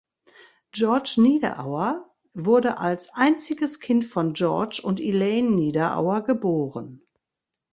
George Niederauer wurde als einziges Kind von George und Elaine Niederauer geboren.